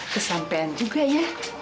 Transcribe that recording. kesampean juga ya